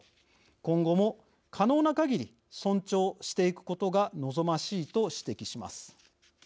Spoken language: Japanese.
今後も可能なかぎり尊重していくことが望ましい」と指摘します。